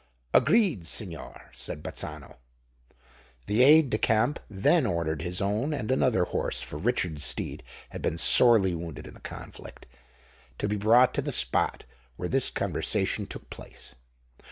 "Agreed, signor," said Bazzano. The aide de camp then ordered his own and another horse (for Richard's steed had been sorely wounded in the conflict) to be brought to the spot where this conversation took place.